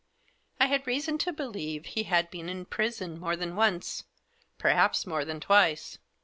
I had reason to believe he had been in prison more than once, perhaps more than twice.